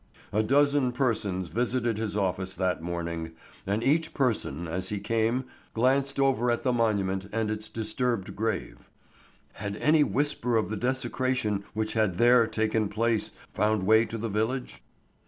A dozen persons visited his office that morning, and each person as he came glanced over at the monument and its disturbed grave. _Had any whisper of the desecration which had there taken place found way to the village?